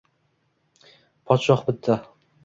Podshoh bitta